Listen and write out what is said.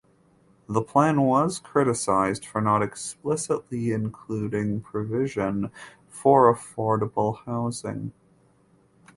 The plan was criticised for not explicitly including provision for affordable housing.